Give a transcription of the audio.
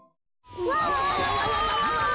うわ！